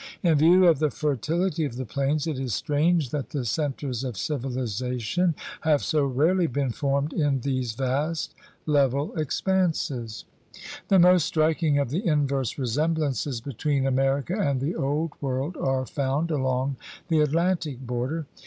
In view of the fertility of the plains it is strange that the centers of civilization have so rarely been formed in these vast level expanses. The most striking of the inverse resemblances 46 THE RED MAN'S CONTINENT between America and the Old World are found along the Atlantic border.